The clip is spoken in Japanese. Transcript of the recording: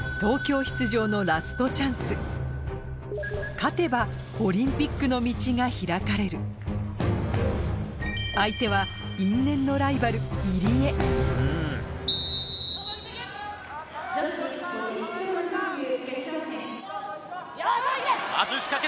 勝てばオリンピックの道が開かれる相手は因縁のライバル入江女子５０ｋｇ級決勝戦。